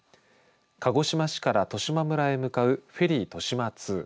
鹿児島市から十島村へ向かうフェリーとしま２。